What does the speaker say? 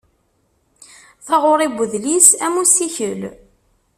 Taɣuri n udlis am ussikel.